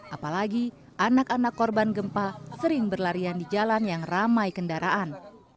apalagi anak anak korban gempa sering berlarian di jalan yang ramai kendaraan